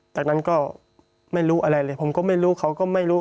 จากนั้นก็ไม่รู้อะไรเลยผมก็ไม่รู้เขาก็ไม่รู้